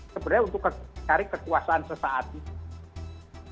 sebenarnya untuk cari kekuasaan sesaat itu